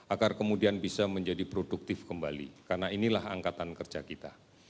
agar kemudian bisa menjadi produktif kembali karena inilah angkatan kerja kita